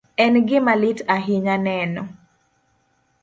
En gima lit ahinya neno